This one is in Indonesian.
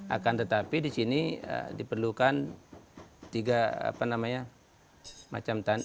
akan tetapi di sini diperlukan tiga apa namanya